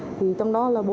mình thì chưa có gia đình